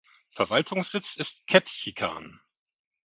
Verwaltungssitz ist Ketchikan.